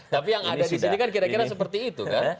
tapi yang ada disini kira kira seperti itu kan